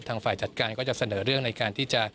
ฝ่ายจัดการก็จะเสนอเรื่องในการที่จะ